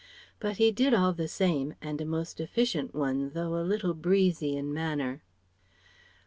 But he did all the same, and a most efficient one though a little breezy in manner.